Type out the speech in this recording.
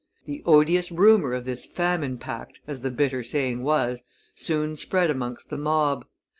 The odious rumor of this famine pact, as the bitter saying was, soon spread amongst the mob.